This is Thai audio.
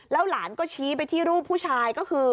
หลานก็ชี้ไปที่รูปผู้ชายก็คือ